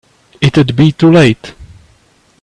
It'd be too late.